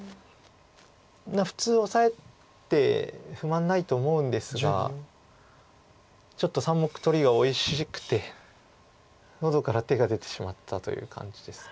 普通オサえて不満ないと思うんですがちょっと３目取りがおいしくて喉から手が出てしまったという感じですか。